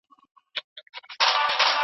په دې برخه کي ډیرې څیړنې ترسره سوې.